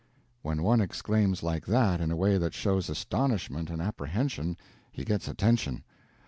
When one exclaims like that in a way that shows astonishment and apprehension, he gets attention.